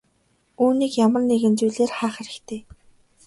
Үүнийг ямар нэгэн зүйлээр хаах хэрэгтэй.